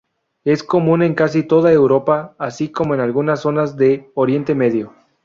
Es común en casi toda Europa, así como en algunas zonas de Oriente Medio.